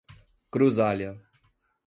Cruzália